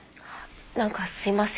なんかすいません。